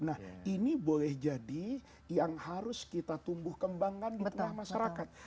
nah ini boleh jadi yang harus kita tumbuh kembangkan di tengah masyarakat